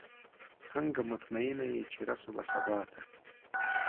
څنګه مطمئنه یې چې رسو به سباته؟